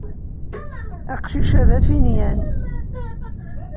Aqcic-a d afinyan.